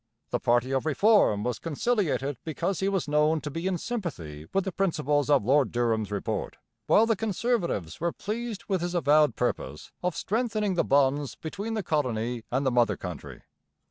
The party of Reform was conciliated because he was known to be in sympathy with the principles of Lord Durham's Report, while the Conservatives were pleased with his avowed purpose of strengthening the bonds between the colony and the mother country.